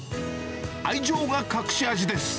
愛情が隠し味です。